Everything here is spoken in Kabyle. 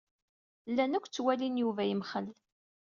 Llan akk ttwalin Yuba yemxel.